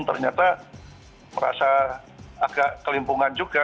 ternyata merasa agak kelimpungan juga